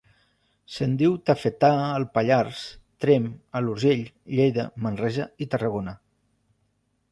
Se'n diu tafetà al Pallars, Tremp, a l'Urgell, Lleida, Manresa i Tarragona.